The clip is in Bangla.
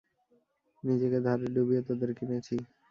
নিজেকে ধারে ডুবিয়ে তোদের কিনেছি।